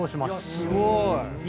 すごーい。